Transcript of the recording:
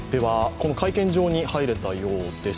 この会見場に入れたようです。